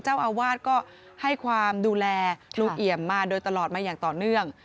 เจ้าอาวาสก็ให้ความดูแลลุงเอี่ยมมาโดยตลอดมาอย่างต่อเนื่อง